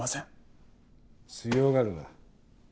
強がるな。